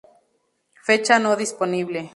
Fecha no disponible.